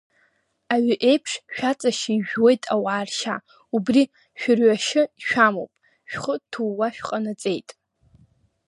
Аҩы еиԥш шәаҵашьшьы ижәжәуеит ауаа ршьа, убри шәырҩашьы шәамоуп, шәхы ҭууа шәҟанаҵеит.